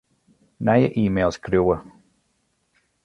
Nije e-mail skriuwe.